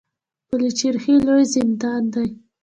پل چرخي لوی زندان دی